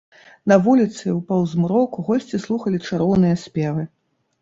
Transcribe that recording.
На вуліцы, у паўзмроку госці слухалі чароўныя спевы.